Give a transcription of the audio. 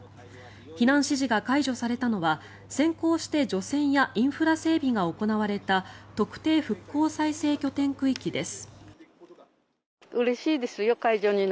避難指示が解除されたのは先行して除染やインフラ整備が行われた特定復興再生拠点区域です。